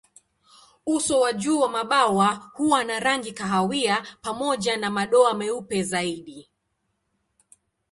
Uso wa juu wa mabawa huwa na rangi kahawia pamoja na madoa meupe zaidi.